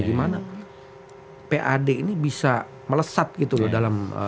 gimana pad ini bisa melesat gitu loh dalam